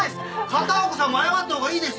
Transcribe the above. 片岡さんも謝ったほうがいいですよ。